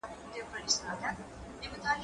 دا تمرين له هغه ګټور دي،